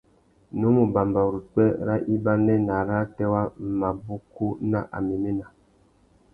Nnú mù bambara upwê râ ibanê nà arrātê wa mabukú nà améména.